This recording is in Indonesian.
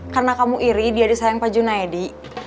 karena kamu iri dia disayang pak juna edi